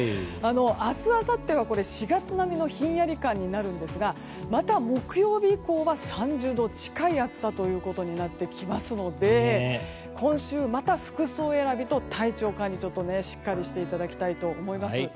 明日あさっては、４月並みのひんやり感になるんですがまた木曜日以降は３０度近い暑さとなってきますので今週、また服装選びと体調管理をしっかりしていただきたいと思います。